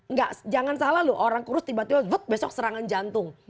nggak jangan salah loh orang kurus tiba tiba besok serangan jantung